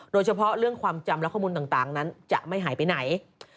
โดยเฉพาะเรื่องความจำและข้อมูลต่างนั้นจะไม่หายไปไหน